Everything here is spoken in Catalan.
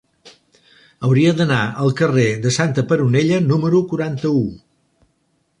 Hauria d'anar al carrer de Santa Peronella número quaranta-u.